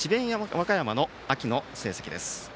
和歌山の秋の成績です。